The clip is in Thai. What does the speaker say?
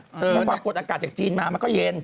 เพราะความกดอากาศจากจีนมามันก็เย็น